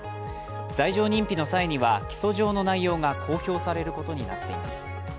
罪状認否の際には起訴状の内容が公表されることになっています。